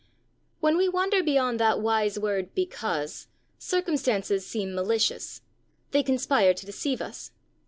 When we wander beyond that wise word 'because' circumstances seem malicious; they conspire to deceive us.